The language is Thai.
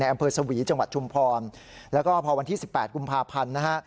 อำเภอสวีจังหวัดชุมพรแล้วก็พอวันที่๑๘กุมภาพันธ์นะฮะ